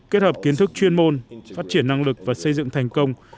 kết hợp kiến thức chuyên môn phát triển năng lực và xây dựng thành công